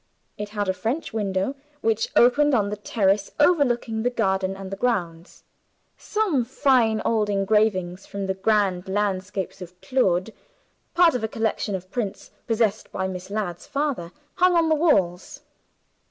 It had a French window, which opened on the terrace overlooking the garden and the grounds. Some fine old engravings from the grand landscapes of Claude (part of a collection of prints possessed by Miss Ladd's father) hung on the walls.